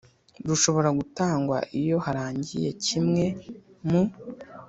rushobora gutangwa iyo harangiye kimwe mu